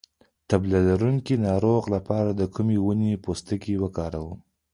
د تبه لرونکي ناروغ لپاره د کومې ونې پوستکی وکاروم؟